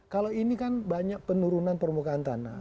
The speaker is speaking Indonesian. kalau ini kan banyak penurunan permukaan tanah